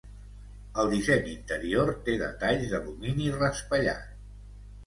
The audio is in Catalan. El disseny interior té detalls d'alumini raspallat.